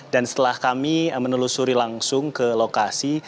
dan setelah kami menelusuri langsung ke lokasi